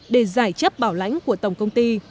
để giải chấp bảo lãnh của tổng công ty